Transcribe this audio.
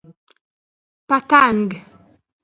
🦋 پتنګ